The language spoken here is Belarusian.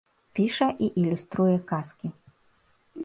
Піша і ілюструе казкі.